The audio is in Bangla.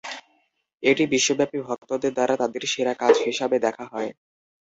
এটি বিশ্বব্যাপী ভক্তদের দ্বারা তাদের সেরা কাজ হিসাবে দেখা হয়।